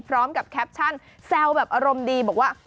แคปชั่นแซวแบบอารมณ์ดีบอกว่า